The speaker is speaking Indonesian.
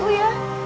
pak ibu ya